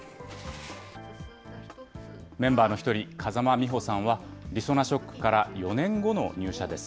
メンバーの１人、風間美歩さんは、りそなショックから４年後の入社です。